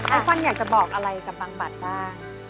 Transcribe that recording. ฟันอยากจะบอกอะไรกับบังบัตรบ้าง